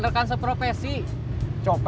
teman teman seperjuangan kita itu maksudnya siapa